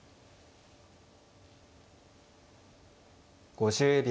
５０秒。